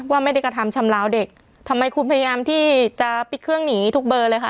ว่าไม่ได้กระทำชำลาวเด็กทำไมคุณพยายามที่จะปิดเครื่องหนีทุกเบอร์เลยค่ะ